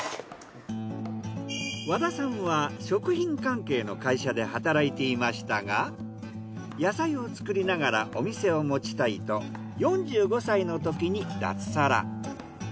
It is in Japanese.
和田さんは食品関係の会社で働いていましたが野菜を作りながらお店を持ちたいと４５歳の時に脱サラ。